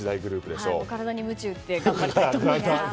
体にムチ打って頑張りたいと思います。